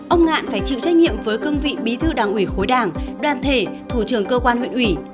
ông ngạn phải chịu trách nhiệm với cương vị bí thư đảng ủy khối đảng đoàn thể thủ trưởng cơ quan huyện ủy